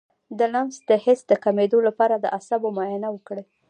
د لمس د حس د کمیدو لپاره د اعصابو معاینه وکړئ